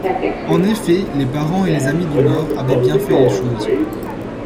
En effet, les parents et les amis du mort avaient bien fait les choses.